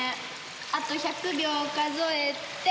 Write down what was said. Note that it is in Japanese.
あと１００秒数えて。